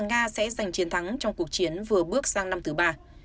nga sẽ giành chiến thắng trong cuộc chiến vừa bước sang năm thứ ba